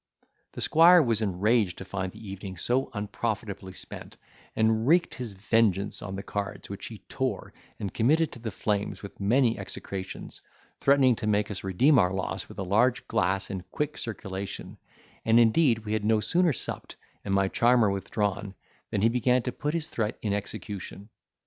The squire was enraged to find the evening so unprofitably spent, and wreaked his vengeance on the cards, which he tore, and committed to the flames with many execrations; threatening to make us redeem our loss with a large glass and quick circulation; and indeed we had no sooner supped, and my charmer withdrawn, than he began to put his threat in execution.